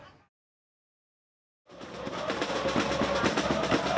tidak ada yang bisa dihukum